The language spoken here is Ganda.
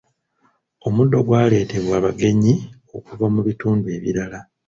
Omuddo gwaleetebwa bagenyi okuva mu bitundu ebirala.